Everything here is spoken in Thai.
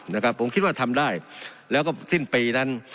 นะครับผมคิดว่าทำได้แล้วก็สิ้นปีนั้น